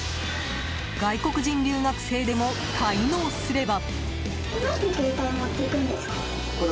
外国人留学生でも、滞納すれば。